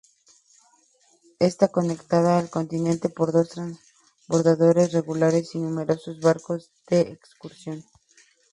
Está conectada al continente por dos transbordadores regulares y numerosos barcos de excursión.